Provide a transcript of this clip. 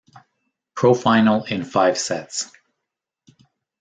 Pro final in five sets.